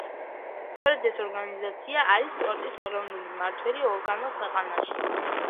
სწორედ ეს ორგანიზაცია არის სპორტის ეროვნული მმართველი ორგანო ქვეყანაში.